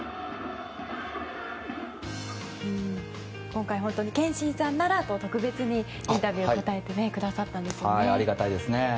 今回、憲伸さんならと特別にインタビューに答えてくださったんですよね。